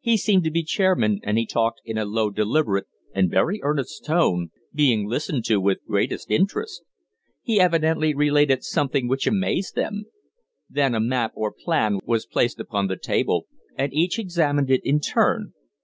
He seemed to be chairman, and he talked in a low, deliberate, and very earnest tone, being listened to with greatest interest. He evidently related something which amazed them. Then a map, or plan, was placed upon the table, and each examined it in turn.